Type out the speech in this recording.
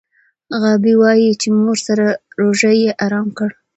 غابي وايي چې مور سره روژه یې ارام کړ.